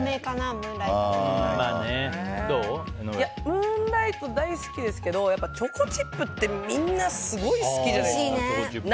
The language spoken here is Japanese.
ムーンライト大好きですけどやっぱりチョコチップってみんなすごい好きじゃないですか。